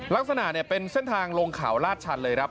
ลักษณะเนี่ยเป็นเส้นทางลงเขาลาดชันเลยครับ